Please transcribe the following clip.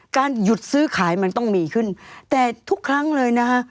หยุดซื้อขายมันต้องมีขึ้นแต่ทุกครั้งเลยนะฮะ